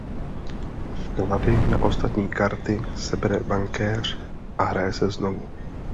Vklady na ostatní karty sebere bankéř a hraje se znovu.